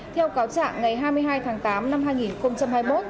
theo cáo trạng ngày hai mươi hai tháng tám năm hai nghìn hai mươi một